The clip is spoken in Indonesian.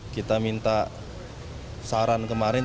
kita minta saran kemarin